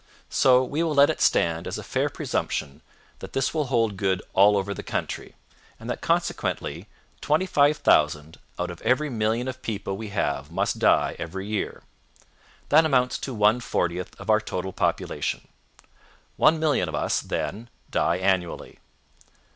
So we will let it stand as a fair presumption that this will hold good all over the country, and that consequently 25,000 out of every million of people we have must die every year. That amounts to one fortieth of our total population. One million of us, then, die annually.